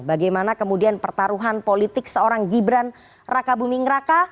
bagaimana kemudian pertaruhan politik seorang gibran raka buming raka